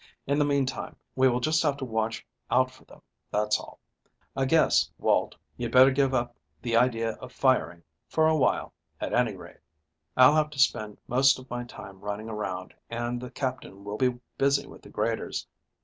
In the meantime we will just have to watch out for them, that's all. I guess, Walt, you'd better give up the idea of firing for a while, at any rate. I'll have to spend most of my time running around, and the Captain will be busy with the graders.